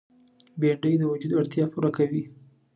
بېنډۍ د وجود اړتیا پوره کوي